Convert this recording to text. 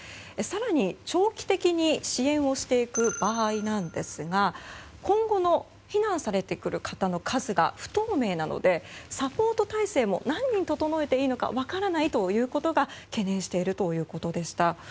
更に長期的に支援をしていく場合なんですが今後の避難されてくる方の数が不透明なので、サポート体制も何人整えていいのか分からないということが懸念しているということでした。